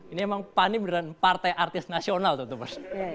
ini emang pan ini beneran partai artis nasional temen temen